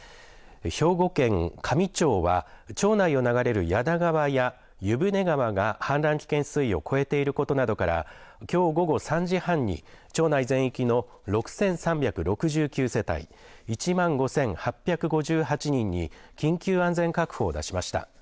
兵庫県香美町は町内を流れる矢田川や湯舟川が氾濫危険水位を超えていることなどからきょう午後３時半に町内全域の６３６９世帯１万５８５８人に緊急安全確保を出しました。